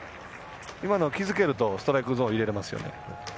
今の気付けるとストライクゾーン入れれますよね。